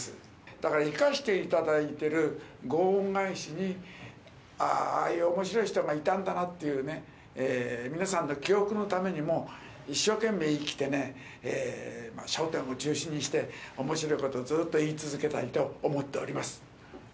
だから生かしていただいてるご恩返しに、ああいうおもしろい人がいたんだなっていうね、皆さんの記憶のためにも、一生懸命生きてね、笑点を中心にして、おもしろいことをずっと言い続けたいと思っております。